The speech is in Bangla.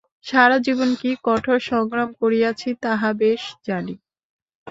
সারা জীবন কি কঠোর সংগ্রাম করিয়াছি, তাহা বেশ জানি।